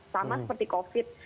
sama seperti covid